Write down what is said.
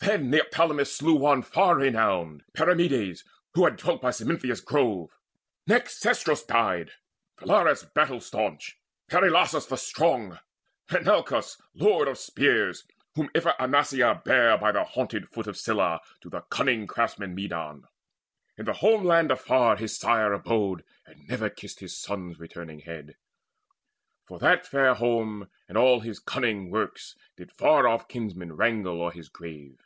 Then Neoptolemus slew one far renowned, Perimedes, who had dwelt by Smintheus' grove; Next Cestrus died, Phalerus battle staunch, Perilaus the strong, Menalcas lord of spears, Whom Iphianassa bare by the haunted foot Of Cilla to the cunning craftsman Medon. In the home land afar the sire abode, And never kissed his son's returning head: For that fair home and all his cunning works Did far off kinsmen wrangle o'er his grave.